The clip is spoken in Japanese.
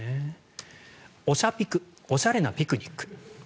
おしゃピクおしゃれなピクニック。